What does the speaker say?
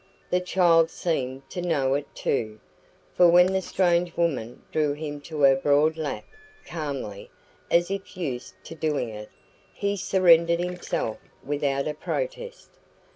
The child seemed to know it too, for when the strange woman drew him to her broad lap calmly, as if used to doing it he surrendered himself without a protest.